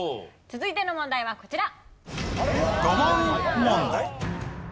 続いての問題はこちら。